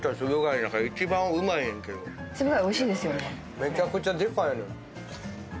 めちゃくちゃでかいのよ。